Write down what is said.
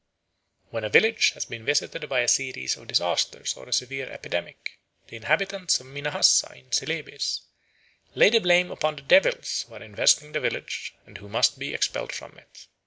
When a village has been visited by a series of disasters or a severe epidemic, the inhabitants of Minahassa in Celebes lay the blame upon the devils who are infesting the village and who must be expelled from it.